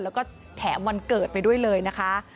แล้วก็แถมวันเกิดไปด้วยเลยนะคะ